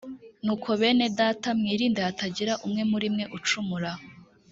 nuko bene data mwirinde hatagira uwo muri mwe ucumura